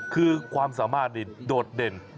คือความสามารถนี่โดดเด่น